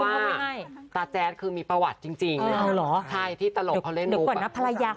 ยังจะมีประวัติไปเวิกอีกเหรอพี่